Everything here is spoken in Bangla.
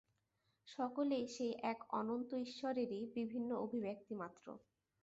সকলেই সেই এক অনন্ত ঈশ্বরেরই বিভিন্ন অভিব্যক্তিমাত্র।